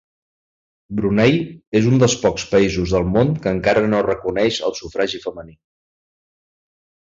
Brunei és un dels pocs països del món que encara no reconeix el sufragi femení.